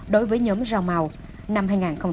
đối với nhóm rau màu năm hai nghìn một mươi sáu